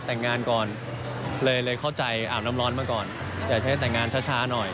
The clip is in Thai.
แต่งงานก่อนเลยเข้าใจอาบน้ำร้อนมาก่อนอยากใช้แต่งงานช้าหน่อย